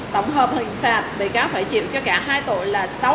tổng hợp hình phạt bị cáo phải chịu cho cả hai tội là sáu năm tù